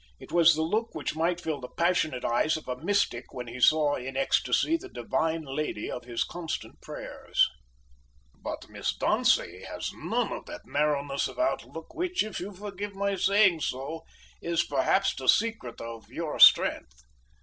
It was the look which might fill the passionate eyes of a mystic when he saw in ecstasy the Divine Lady of his constant prayers. "But Miss Dauncey has none of that narrowness of outlook which, if you forgive my saying so, is perhaps the secret of your strength.